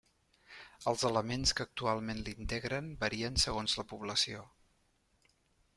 Els elements que actualment l'integren varien segons la població.